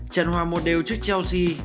trận hòa một đều trước chelsea